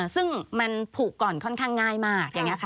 ซึ่งมันผูกก่อนค่อนข้างง่ายมากอย่างนี้ค่ะ